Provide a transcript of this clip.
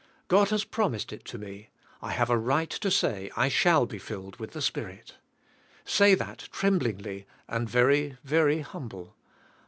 God has promised it to me, I have a right to say, I shall be filled with the Spirit. Say that trembling ly and very, very humble.